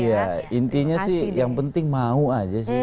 iya intinya sih yang penting mau aja sih